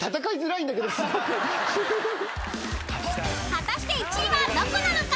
［果たして１位はどこなのか］